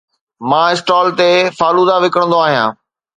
مان اسٽال تي فالودا وڪڻندو آهيان